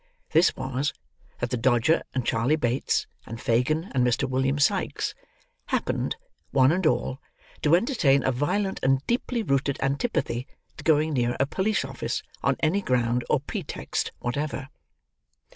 This was, that the Dodger, and Charley Bates, and Fagin, and Mr. William Sikes, happened, one and all, to entertain a violent and deeply rooted antipathy to going near a police office on any ground or pretext whatever.